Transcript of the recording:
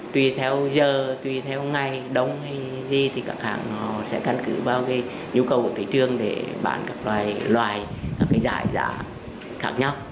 tùy theo giờ tùy theo ngày đông hay gì thì các hãng họ sẽ căn cứ vào cái nhu cầu của thủy trường để bán các loài các cái giải giá khác nhau